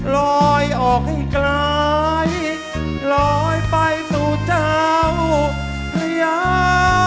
ลอยออกให้ไกลลอยไปสู่เจ้าพระยา